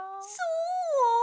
そう？